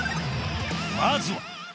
まずは